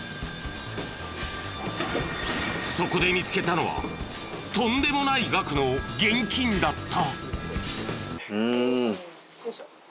そこで見つけたのはとんでもない額の現金だった。